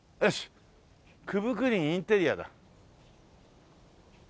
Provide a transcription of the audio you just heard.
九分九厘インテリアだ。